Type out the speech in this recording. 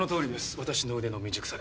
私の腕の未熟さです。